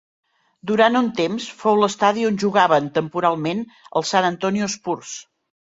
Durant un temps, fou l'estadi on jugaven temporalment els San Antonio Spurs.